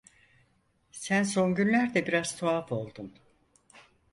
Sen son günlerde biraz tuhaf oldun!